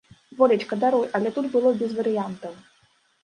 Волечка, даруй, але тут было без варыянтаў.